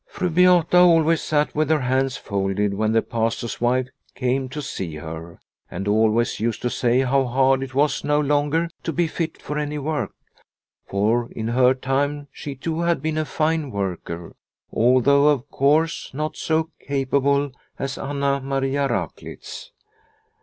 Fru Beata always sat with her hands folded when the Pastor's wife came to see her, and always used to say how hard it was no longer to be fit for any work, for in her time she too had been a fine worker, although of course not so capable as Anna Maria Raklitz.